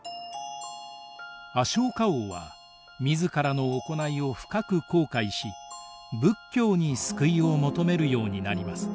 アショーカ王は自らの行いを深く後悔し仏教に救いを求めるようになります。